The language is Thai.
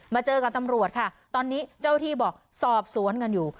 เจอกับตำรวจค่ะตอนนี้เจ้าที่บอกสอบสวนกันอยู่